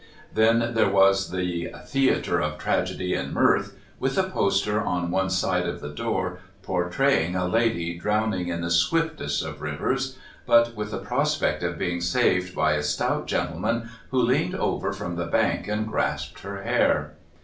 Then there was "The Theatre of Tragedy and Mirth," with a poster on one side of the door portraying a lady drowning in the swiftest of rivers, but with the prospect of being saved by a stout gentleman who leaned over from the bank and grasped her hair.